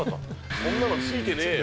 そんなものついてねえよ。